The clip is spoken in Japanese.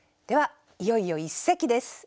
ではいよいよ一席です。